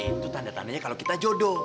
itu tanda tandanya kalau kita jodoh